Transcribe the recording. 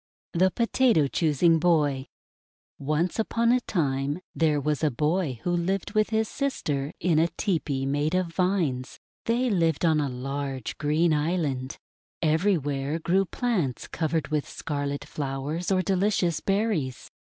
THE POTATO CHOOSING BOY New Tale ONCE upon a time, there was a boy who lived with his sister in a tepee made of vines. They lived on a large green island. Everywhere grew plants covered with scarlet flowers or delicious berries.